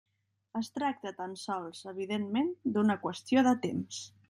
Es tracta tan sols evidentment d'una qüestió de temps.